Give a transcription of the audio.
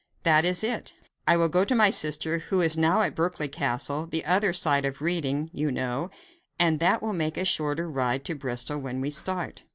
That is it; I will go to my sister, who is now at Berkeley Castle, the other side of Reading, you know, and that will make a shorter ride to Bristol when we start."